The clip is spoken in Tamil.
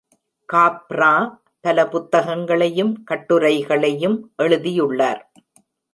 காப்ரா பல புத்தகங்களையும் கட்டுரைகளையும் எழுதியுள்ளார்.